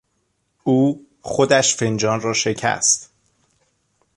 او خودش فنجان را شکست.